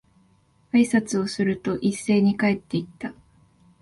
挨拶をすると、一斉に帰って行った。